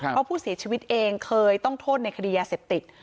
เพราะผู้เสียชีวิตเองเคยต้องโทษในคดียาเสพติด